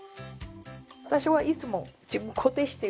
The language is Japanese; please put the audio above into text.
私はいつも自分固定してる。